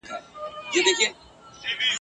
هيبت پروت دی دې لاسوکي ..